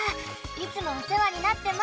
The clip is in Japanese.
いつもおせわになってます。